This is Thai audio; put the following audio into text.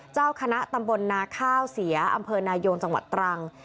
เจ้าคณะตำบลนาข้าวเสียอำเภอนายงจังหวัดตรัง